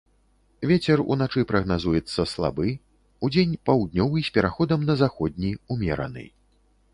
Вецер уначы прагназуецца слабы, удзень паўднёвы з пераходам на заходні, умераны.